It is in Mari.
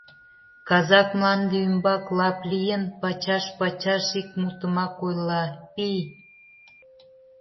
Казак, мланде ӱмбак лап лийын, пачаш-пачаш ик мутымак ойла: «Пий!»